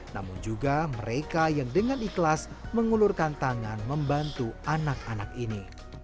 namun juga mereka yang dengan ikhlas mengulurkan tangan membantu anak anak ini